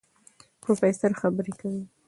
پروفېسر خبرې کوي.